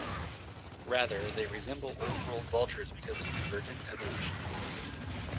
Rather, they resemble Old World vultures because of convergent evolution.